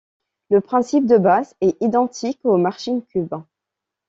Le principe de base est identique au marching cubes.